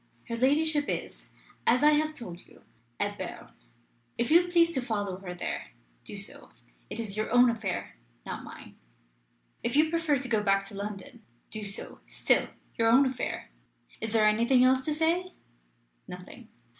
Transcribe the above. Her ladyship is, as I have told you, at Berne. If you please to follow her there, do so. It is your own affair, not mine. If you prefer to go back to London, do so. Still your own affair. Is there anything else to say?" Nothing.